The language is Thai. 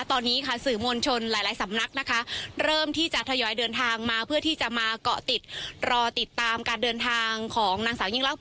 ตอนนี้ค่ะสื่อมวลชนหลายสำนักนะคะเริ่มที่จะทยอยเดินทางมาเพื่อที่จะมาเกาะติดรอติดตามการเดินทางของนางสาวยิ่งรัก